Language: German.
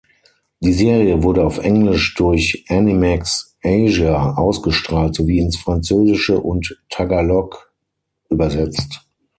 Die Serie wurde auf Englisch durch Animax-asia ausgestrahlt sowie ins Französische und Tagalog übersetzt.